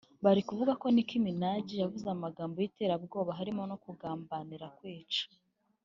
biri kuvugwa ko Nicki Minaj yavuze amagambo y’iterabwoba harimo no kugambira kwica